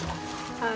はい。